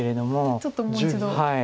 じゃあちょっともう一度。